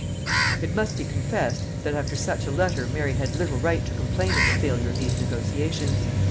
It must be confessed, that after such a letter Mary had little right to complain of the failure of these negotiations.